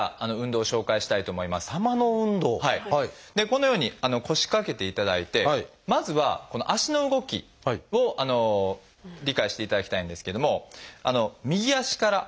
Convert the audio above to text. このように腰掛けていただいてまずはこの足の動きを理解していただきたいんですけども右足からですね。